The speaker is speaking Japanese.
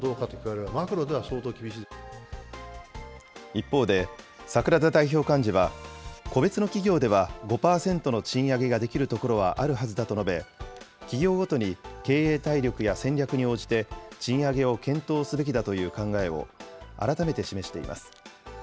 一方で、櫻田代表幹事は個別の企業では５％の賃上げができるところはあるはずだと述べ、企業ごとに経営体力や戦略に応じて、賃上げを検討すべきだという考えを改めて示しています。